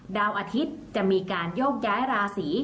ดาวอาทิตย์จะมีการโยกย้ายราศี